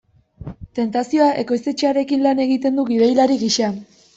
Tentazioa ekoiztetxearekin lan egiten du gidoilari gisa.